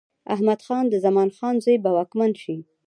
احمد خان د زمان خان زوی به واکمن شي.